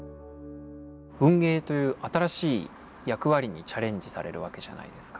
運営という新しい役割にチャレンジされるわけじゃないですか。